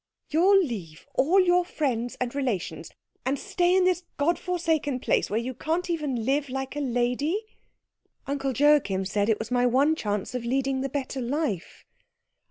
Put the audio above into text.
"You'll leave all your friends and relations and stay in this God forsaken place where you can't even live like a lady?" "Uncle Joachim said it was my one chance of leading the better life."